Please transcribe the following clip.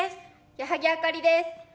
矢作あかりです。